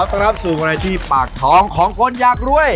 ต้อนรับสู่อะไรที่ปากท้องของคนอยากรวย